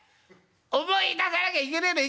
思い出さなきゃいけねえの？